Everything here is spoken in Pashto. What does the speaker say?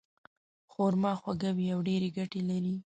خرما خواږه وي او ډېرې ګټې لري.